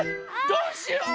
どうしよう？